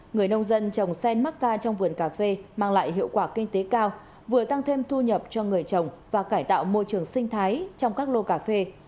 người nông dân trồng sen mắc ca trong vườn cà phê mang lại hiệu quả kinh tế cao vừa tăng thêm thu nhập cho người trồng và cải tạo môi trường sinh thái trong các lô cà phê